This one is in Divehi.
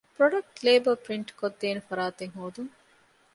ޕްރޮޑަކްޓް ލޭބަލް ޕްރިންޓްކޮށްދޭނެ ފަރާތެއް ހޯދުން